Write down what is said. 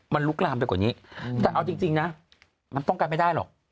มันลุกลามไปกว่านี้แต่เอาจริงนะมันป้องกันไม่ได้หรอก